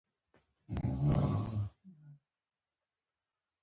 هلته هم ځایي اوسېدونکو د بلې پر ځای اوو کلمه کاروله.